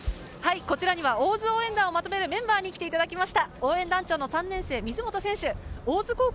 こちらには大津応援団をまとめるメンバーに来ていただきました。